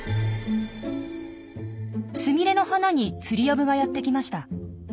スミレの花にツリアブがやって来ました。